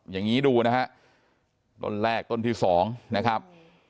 อย่างนี้ดูนะฮะต้นแรกต้นที่๒นะครับ